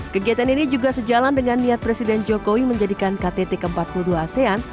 kegiatan ini juga sejalan dengan niat presiden jokowi menjadikan ktt ke empat puluh dua asean